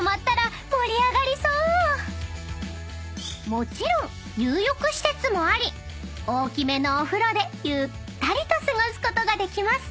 ［もちろん入浴施設もあり大きめのお風呂でゆったりと過ごすことができます］